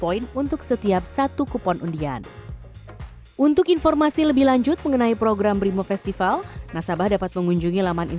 nasabah yang memenuhi kriteria tersebut akan otomatis mendapatkan satu kupon undian dan untuk menambah peluang mendapatkan hadiah grand price nasabah bisa menukarkan seratus bri point untuk setiap satu kupon undian